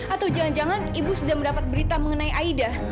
atau jangan jangan ibu sudah mendapat berita mengenai aida